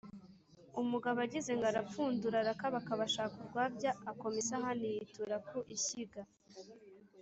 umugabo agizengo arapfundura, arakabakaba ashaka urwabya, akoma isahani yitura ku ishyiga,